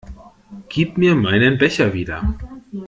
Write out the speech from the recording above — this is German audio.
Gib mir meinen Becher wieder!